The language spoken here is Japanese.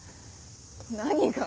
何が？